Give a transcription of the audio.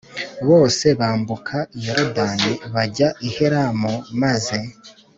bose bambuka Yorodani bajya i Helamu Maze